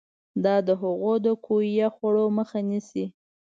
دا د هغو د کویه خوړو مخه نیسي.